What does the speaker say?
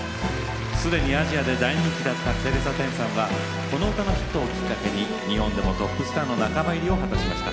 すでにアジアで大人気だったテレサ・テンさんはこの歌のヒットをきっかけに日本でもトップスターの仲間入りを果たしました。